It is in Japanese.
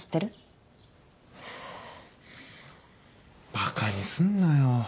バカにすんなよ。